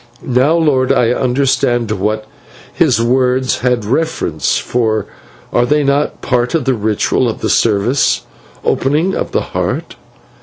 "Now, lord, I understood to what his words had reference, for are they not part of the ritual of the service 'Opening of the Heart?'